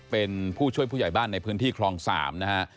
เป็นผู้ช่วยผู้ใหญ่บ้านในพื้นที่คลอง๓นะฮะ